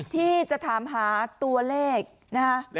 ที่จะถามหาตัวเลขนะฮะ